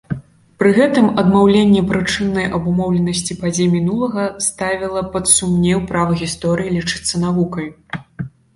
Пры гэтым адмаўленне прычыннай абумоўленасці падзей мінулага ставіла пад сумнеў права гісторыі лічыцца навукай.